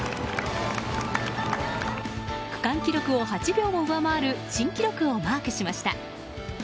区間記録を８秒も上回る新記録をマークしました。